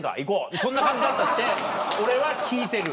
そんな感じだったって俺は聞いてる。